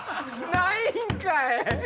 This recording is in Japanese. ないんかい！